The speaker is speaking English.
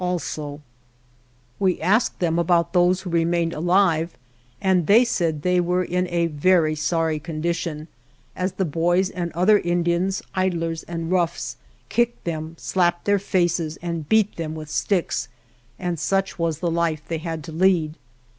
77 THE JOURNEY OF We asked them about those who remained alive, and they said they were in a very sorry condition, as the boys and other In dians, idlers and roughs, kicked them, slapped their faces and beat them with sticks, and such was the life they had to lead.